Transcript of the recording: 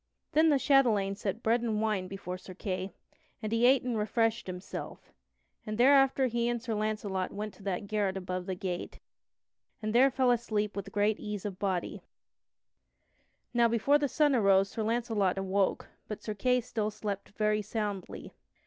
Then the chatelaine set bread and wine before Sir Kay, and he ate and refreshed himself, and thereafter he and Sir Launcelot went to that garret above the gate, and there fell asleep with great ease of body. [Sidenote: Sir Launcelot takes Sir Kay's armor] Now before the sun arose Sir Launcelot awoke but Sir Kay still slept very soundly.